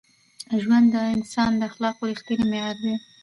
ژوند د انسان د اخلاقو رښتینی معیار دی.